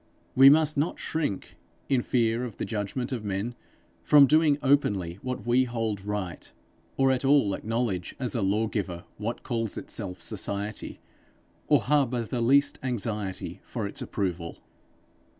We must not shrink, in fear of the judgment of men, from doing openly what we hold right; or at all acknowledge as a law giver what calls itself Society, or harbour the least anxiety for its approval.